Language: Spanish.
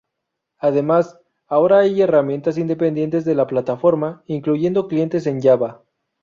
Además, ahora hay herramientas independientes de la plataforma, incluyendo clientes en Java.